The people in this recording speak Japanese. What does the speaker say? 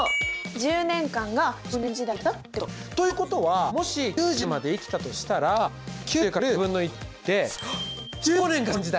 １０年間が少年時代だったってこと。ということはもし９０まで生きたとしたら９０×で１５年が少年時代！